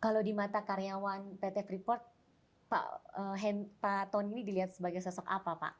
kalau di mata karyawan pt freeport pak tony ini dilihat sebagai sosok apa pak